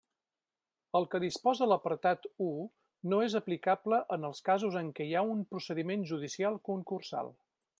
El que disposa l'apartat u no és aplicable en els casos en què hi ha un procediment judicial concursal.